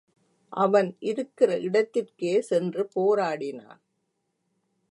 அவன் இருக்கிற இடத்திற்கே சென்று போராடினான்.